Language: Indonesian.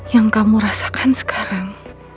yang kamu rasakan sekarang